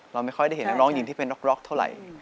เราไม่ค่อยได้เห็นนักร้องหญิงที่เป็นร็อกเท่าไหร่